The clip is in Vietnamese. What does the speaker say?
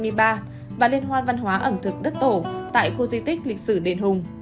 năm hai nghìn hai mươi ba và liên hoan văn hóa ẩm thực đất tổ tại khu di tích lịch sử đền hùng